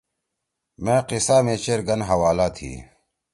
مے قصّہ می چیر گن حوالہ تھی